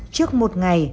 trước một ngày